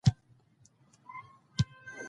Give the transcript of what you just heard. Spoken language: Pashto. وسله باید د سولې ځای ونیسي